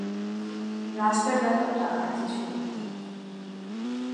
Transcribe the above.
রাস্তার ব্যাপারটা আর কিছুই নয়।